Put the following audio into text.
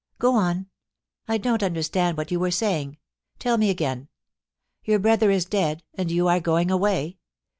Go on. I don't understand what you were sa3ring. Tell me again. Your brother is dead, and you are going away.